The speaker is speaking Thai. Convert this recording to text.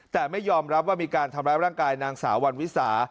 แต่ไม่ยอมรับว่ามีการทำร้ายร่างกายนางสาววันวิสา